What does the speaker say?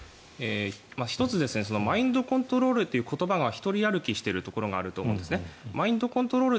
１つマインドコントロールという言葉が独り歩きしているところがあると思うんですね。